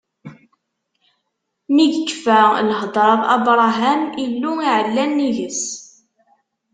Mi yekfa lhedṛa d Abṛaham, Illu iɛella nnig-s.